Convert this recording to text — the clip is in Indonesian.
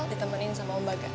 ditemenin sama mbak gans